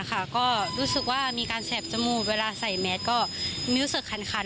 ก็รู้สึกว่ามีการแสบจมูกเวลาใส่แมสก็มิวรู้สึกคัน